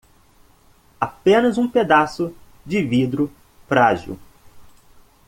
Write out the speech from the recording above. Apenas um pedaço de vidro frágil